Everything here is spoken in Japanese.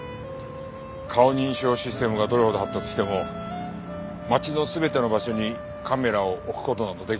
顔認証システムがどれほど発達しても街の全ての場所にカメラを置く事など出来ん。